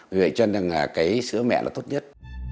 vì vậy cho nên là cái sữa mẹ là tốt nhất